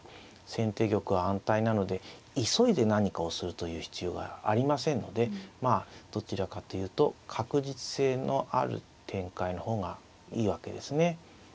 先手玉は安泰なので急いで何かをするという必要がありませんのでまあどちらかというと確実性のある展開の方がいいわけですね。